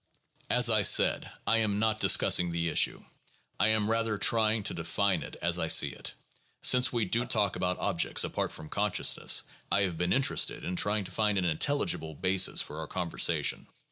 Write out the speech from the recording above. As I said, I am not discussing the issue. I am rather trying to define it as I see it. Since we do talk about objects apart from consciousness, I have been interested in trying to find an intelligible basis for our conversation.